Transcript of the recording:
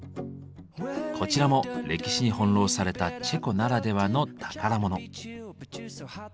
こちらも歴史に翻弄されたチェコならではの宝物。